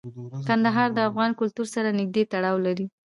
کندهار د افغان کلتور سره نږدې تړاو لري.